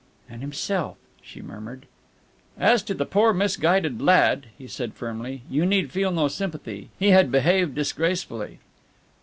"And himself," she murmured. "As to the poor misguided lad," he said firmly, "you need feel no sympathy. He had behaved disgracefully."